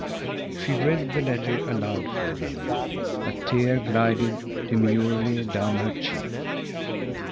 She read the letter aloud for them. A tear glided demurely down her cheek.